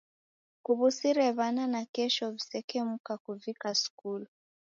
Kuw'usire w'ana nakesho w'isekemuka kuvika skulu